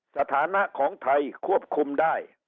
สถานะของไทยควบคุมได้